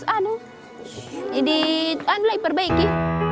terus ini diperbaiki